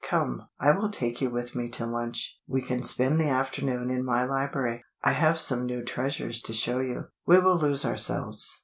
"Come, I will take you with me to lunch. We can spend the afternoon in my library. I have some new treasures to show you. We will lose ourselves.